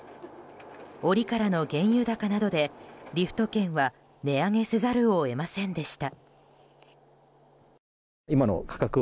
折からの原油高などでリフト券は値上げせざるを得ませんでした。